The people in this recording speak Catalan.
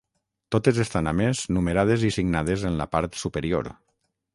Totes estan a més numerades i signades en la part superior.